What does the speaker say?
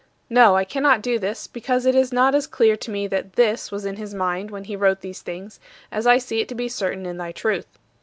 No, I cannot do this because it is not as clear to me that this was in his mind when he wrote these things, as I see it to be certain in thy truth.